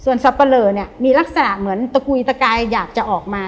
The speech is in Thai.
สับปะเลอเนี่ยมีลักษณะเหมือนตะกุยตะกายอยากจะออกมา